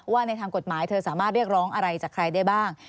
ว่าในทางกฎหมายเธอสามารถเรียกร้องอะไรจากใครได้บ้าง